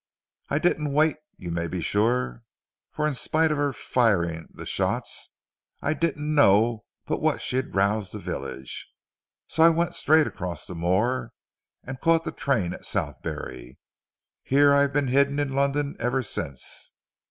I didn't wait you may be sure, for in spite of her firing the shots I didn't know but what she'd rouse the village. So I went straight across the moor and caught the train at Southberry. Here I've been hidden in London ever since.